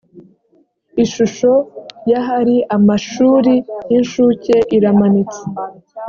ishusho y’ ahari amashuri y’ inshuke iramanitse